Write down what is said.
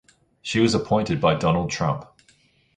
She was appointed by Donald Trump.